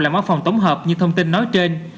là máu phòng tống hợp như thông tin nói trên